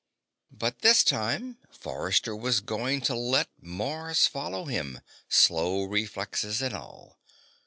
But this time, Forrester was going to let Mars follow him slow reflexes and all.